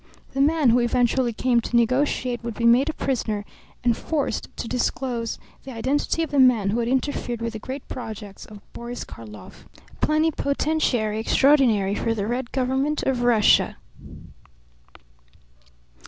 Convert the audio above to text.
The man who eventually came to negotiate would be made a prisoner and forced to disclose the identity of the man who had interfered with the great projects of Boris Karlov, plenipotentiary extraordinary for the red government of Russia.